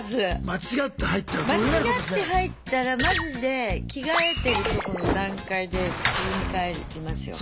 間違って入ったらマジで着替えてるとこの段階で普通に帰りますよ。